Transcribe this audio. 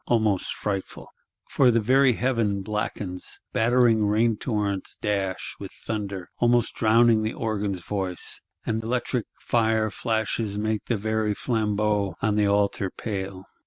Almost frightful! For the very heaven blackens; battering rain torrents dash, with thunder; almost drowning the organ's voice: and electric fire flashes make the very flambeaux on the altar pale.